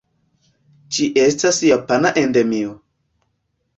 Ĝi estas japana endemio.